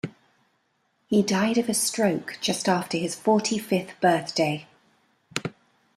He died of a stroke just after his forty-fifth birthday.